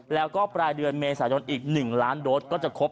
แล้วก็ปลายเดือนเมษศาจนศ์อีก๑ล้านโดสต์